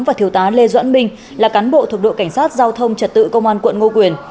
và thiếu tá lê doãn minh là cán bộ thuộc đội cảnh sát giao thông trật tự công an quận ngo quyền